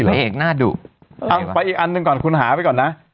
หลังไปอีกอันหนึ่งก่อนคุณหาไปก่อนนะ